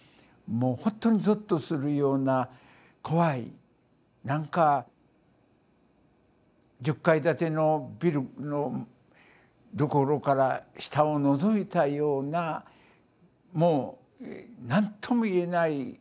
もう本当にぞっとするような怖い何か１０階建てのビルのところから下をのぞいたようなもう何とも言えない